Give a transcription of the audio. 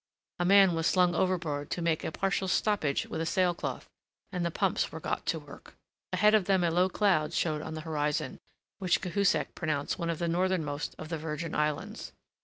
A man was slung overboard to make a partial stoppage with a sail cloth, and the pumps were got to work. Ahead of them a low cloud showed on the horizon, which Cahusac pronounced one of the northernmost of the Virgin Islands.